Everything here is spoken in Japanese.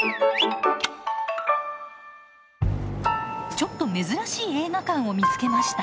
ちょっと珍しい映画館を見つけました。